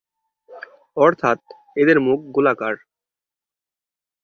অর্থাৎ, এদের মুখ গোলাকার।